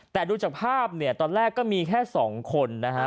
แต่ดูจากภาพตอนแรกก็มีแค่๒คนนะครับ